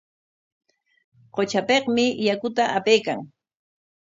Qutrapikmi yakuta apaykan.